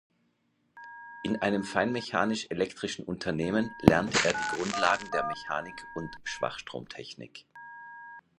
In einem feinmechanisch-elektrischen Unternehmen lernte er die Grundlagen der Mechanik und Schwachstromtechnik.